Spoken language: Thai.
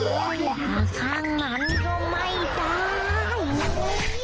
อย่ามาข้างมันก็ไม่ได้